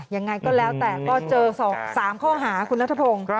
อย่างไรก็แล้วแต่ก็เจอสามข้อหาคุณนัทธรพงศ์